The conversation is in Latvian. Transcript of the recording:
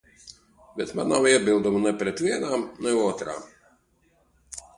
Bet man nav iebildumu ne pret vienām, ne otrām.